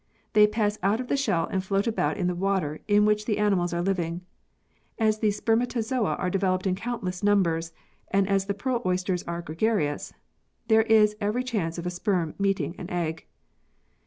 They pass out of the shell and float about in the water in which the animals are living. As the spermatozoa are developed in countless numbers and as the pearl oysters are gregarious, there is every chance of a sperm meeting an egg.